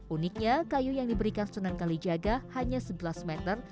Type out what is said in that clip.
uniknya kayu yang diberikan senang kali jaga hanya sebelas meter